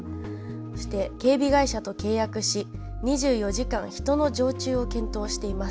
そして警備会社と契約し２４時間、人の常駐を検討しています。